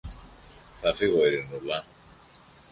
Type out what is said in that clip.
Θα φύγω, Ειρηνούλα.